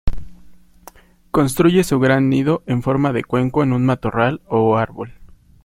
Construye su gran nido en forma de cuenco en un matorral o árbol.